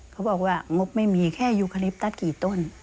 เขาบอกว่างบไม่มีแค่ยูคาลิปตัสกี่ต้น